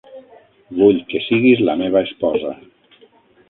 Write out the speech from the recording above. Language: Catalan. Vull que siguis la meva esposa.